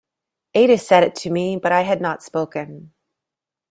Ada said it to me, but I had not spoken.